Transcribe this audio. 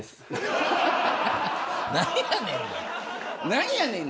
何やねん。